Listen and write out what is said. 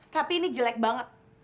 tapi ini jelek banget